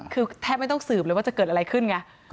คือแทบไม่ต้องสืบเลยว่าจะเกิดอะไรขึ้นไง